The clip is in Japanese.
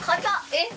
えっ！？